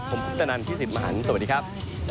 ผมคุปตนันพี่สิทธิ์มหันฯสวัสดีครับ